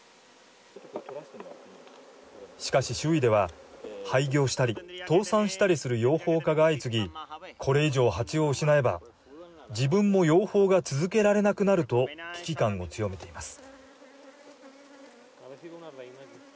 しかし周囲では廃業したり倒産したりする養蜂家が相次ぎこれ以上、蜂を失えば自分も養蜂が続けられなくなると危機感を強めています。